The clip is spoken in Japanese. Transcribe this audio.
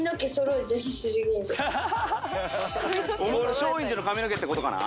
松陰寺の髪の毛って事かな？